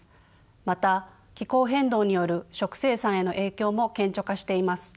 また気候変動による食生産への影響も顕著化しています。